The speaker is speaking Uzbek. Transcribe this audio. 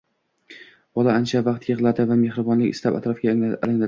Bola ancha vaqt yig’ladi va mehribonlik istab, atrofga alangladi.